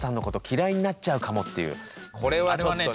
これはちょっとね。